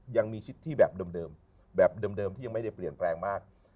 ชิดที่แบบเดิมแบบเดิมที่ยังไม่ได้เปลี่ยนแปลงมาก